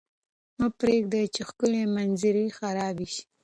مه پرېږدئ چې ښکلې منظرې خرابې شي.